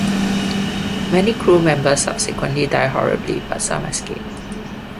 Many crew members subsequently die horribly, but some escape.